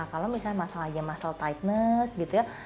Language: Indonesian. kalau masalahnya muscle tightness gitu ya